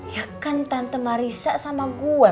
ya kan tante marisa sama gue